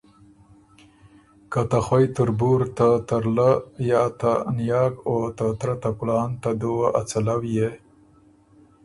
که ته خوئ تُربُور ته ترلۀ یا ته نیاک او ته ترۀ ته کلان، ته دُوه ا څلؤ يې